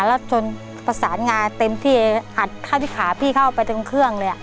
แล้วจนประสานงาเต็มที่อัดเข้าที่ขาพี่เข้าไปตรงเครื่องเลย